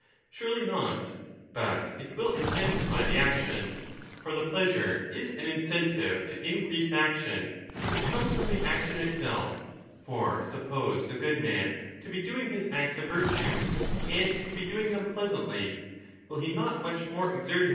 Surely not; but it will intensify the action. For the pleasure is an incentive to increased 10 action, if it comes from the action itself. For suppose the good man to be doing his acts of virtue, and to be doing them pleasantly ; will he not much more exert himself in the action?